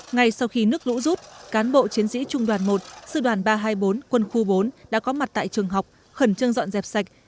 ngay sau khi nước lũ rút cán bộ chiến sĩ trung đoàn một sư đoàn ba trăm hai mươi bốn quân khu bốn đã có mặt tại trường học khẩn trương dọn dẹp sạch